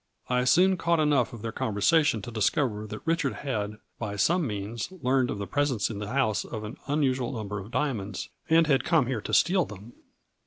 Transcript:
I soon caught enough of their conversation to discover that Richard had, by some means, learned of the presence in the house of an unusual number of diamonds, and had come here to steal them.